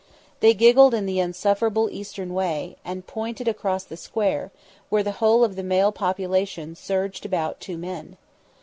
They giggled in the insufferable Eastern way, and pointed across the Square, where the whole of the male population surged about two men.